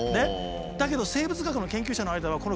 だけど生物学の研究者の間ではへえ！